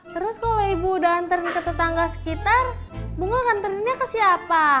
terus kalau ibu udah nganter rendang ke tetangga sekitar bunga nganter rendangnya ke siapa